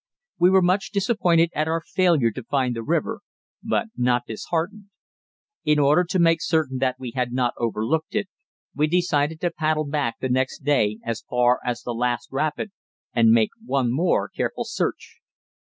We were much disappointed at our failure to find the river, but not disheartened. In order to make certain that we had not overlooked it, we decided to paddle back the next day as far as the last rapid and make one more careful search.